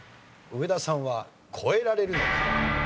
上田さんは越えられるのか？